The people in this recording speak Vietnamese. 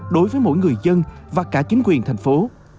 đối với mỗi người dân và cả chính quyền thành phố